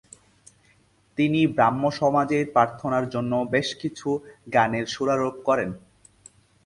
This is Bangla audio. তিনি ব্রাহ্ম সমাজের প্রার্থনার জন্য বেশকিছু গানের সুরারোপ করেন।